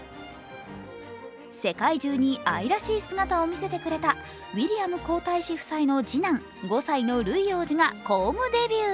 世界中に愛らしい姿を見せてくれたウィリアム皇太子夫妻の次男５歳のルイ王子が公務デビュー。